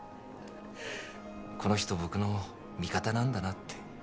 この人僕の味方なんだなって